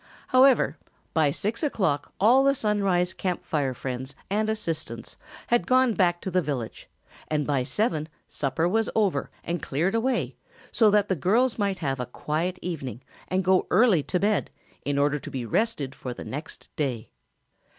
However, by six o'clock all the Sunrise Camp Fire friends and assistants had gone back to the village and by seven supper was over and cleared away so that the girls might have a quiet evening and go early to bed in order to be rested for the next day.